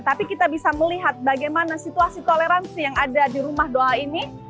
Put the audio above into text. tapi kita bisa melihat bagaimana situasi toleransi yang ada di rumah doa ini